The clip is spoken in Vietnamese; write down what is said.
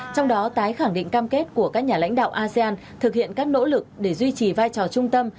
trong đó tái khẳng định cam kết của các nhà lãnh đạo asean thực hiện các nỗ lực để duy trì vai trò trung tâm